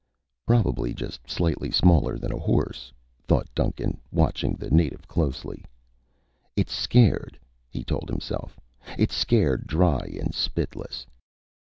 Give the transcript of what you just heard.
Probably just slightly smaller than a horse, thought Duncan, watching the native closely. It's scared, he told himself. It's scared dry and spitless.